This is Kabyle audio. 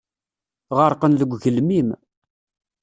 Ɣerqen deg ugelmim.